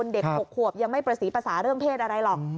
เด็ก๖ขวบยังไม่ประสีภาษาเรื่องเพศอะไรหรอก